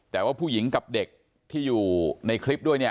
แต่ว่าผู้หญิงกับเด็กที่อยู่ในคลิปด้วยเนี่ย